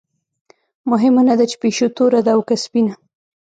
مهمه نه ده چې پیشو توره ده او که سپینه.